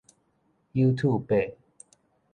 友禿伯